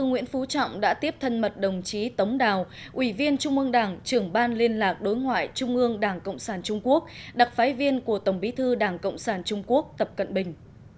quỷ viên trung ương đảng trưởng ban liên lạc đối ngoại trung ương đảng cộng sản trung quốc đặc phái viên của tổng bí thư đảng cộng sản trung quốc tập cận bình